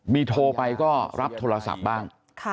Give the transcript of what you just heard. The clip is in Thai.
มีโทรไปก็รับโทรศัพท์บ้าง